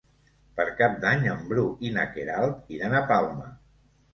Per Cap d'Any en Bru i na Queralt iran a Palma.